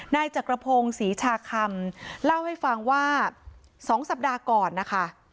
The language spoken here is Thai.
นายจักรพงศ์ศรีชาคำเล่าให้ฟังว่า๒สัปดาห์ก่อนนะคะ